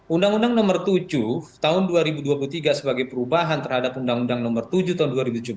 undang undang nomor tujuh tahun dua ribu dua puluh tiga sebagai perubahan terhadap undang undang nomor tujuh tahun dua ribu tujuh belas